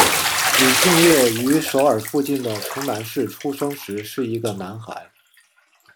李庆烨于首尔附近的城南市出生时是一个男孩。